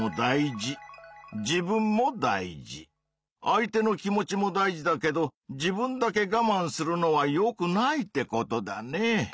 相手の気持ちも大事だけど自分だけがまんするのはよくないってことだね。